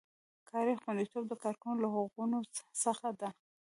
کاري خوندیتوب د کارکوونکي له حقونو څخه دی.